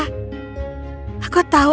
kita aku tahu